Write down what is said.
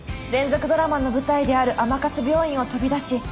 連続ドラマの舞台である甘春病院を飛び出し